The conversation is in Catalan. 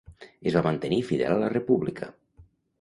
Es va mantenir fidel a la República.